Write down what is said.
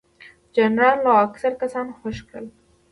جنرال لو اکثر کسان خوشي کړل.